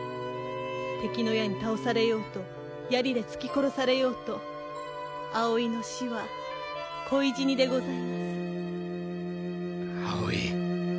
敵の矢に倒されようとやりで突き殺されようと葵の死は恋死にでございます。